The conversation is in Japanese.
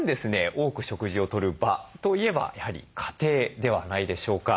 多く食事をとる場といえばやはり家庭ではないでしょうか。